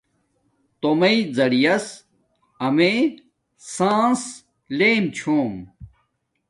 تومݵ زریعہ یس امیے سانس لم چھوم